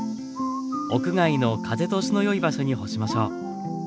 屋外の風通しのよい場所に干しましょう。